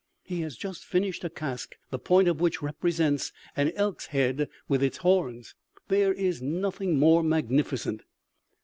He has just finished a casque the point of which represents an elk's head with its horns.... There is nothing more magnificent!"